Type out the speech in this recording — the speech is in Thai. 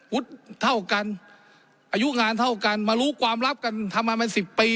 เท่ากันอายุงานเท่ากันมารู้ความลับกันทำมาเป็นสิบปี